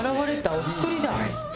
お造りだ。